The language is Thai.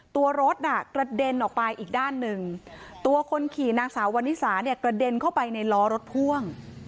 ตัวรถน่ะกระเด็นออกไปอีกด้านหนึ่งตัวคนขี่นางสาววันนิสาเนี่ยกระเด็นเข้าไปในล้อรถพ่วง